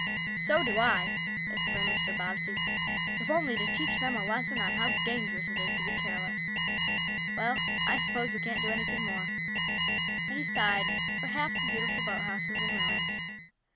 "So do I!" exclaimed Mr. Bobbsey. "If only to teach them a lesson on how dangerous it is to be careless. Well, I suppose we can't do anything more," and he sighed, for half the beautiful boathouse was in ruins.